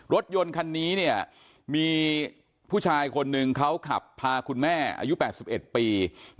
รถยนต์คันนี้เนี่ยมีผู้ชายคนหนึ่งเขาขับพาคุณแม่อายุ๘๑ปี